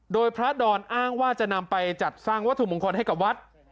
โดยพระดอนอ้างว่าจะนำไปจัดสร้างวัตถุมงคลให้กับวัด